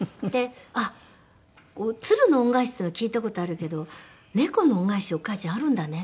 「あっ『鶴の恩返し』っていうのは聞いた事あるけど“猫の恩返し”お母ちゃんあるんだね」